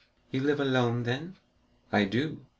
"You live alone, then?" "I do."